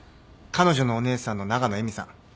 彼女のお姉さんの永野絵美さん。